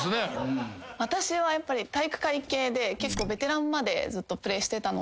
私は体育会系で結構ベテランまでずっとプレーしてたので。